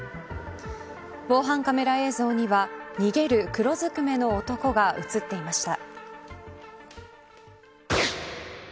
防犯カメラ映像には逃げる黒ずくめの男が映っていました。